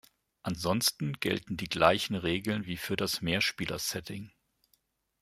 Ansonsten gelten die gleichen Regeln wie für das Mehrspieler-Setting.